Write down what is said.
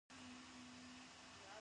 اهتمام اوشي کومه چې ښکته پورته ځي -